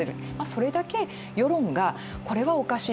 それだけ世論がこれはおかしい